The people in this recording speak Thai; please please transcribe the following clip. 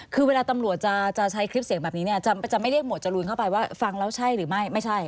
คือเวลาตำรวจจะใช้คลิปเสียงแบบนี้เนี่ยจะไม่เรียกหมวดจรูนเข้าไปว่าฟังแล้วใช่หรือไม่ไม่ใช่